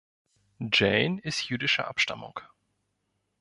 Jayne ist jüdischer Abstammung.